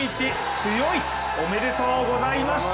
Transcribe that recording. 強い、おめでとうございました。